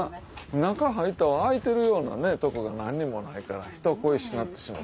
中入ると開いてるようなとこが何にもないから人恋しくなってしまって。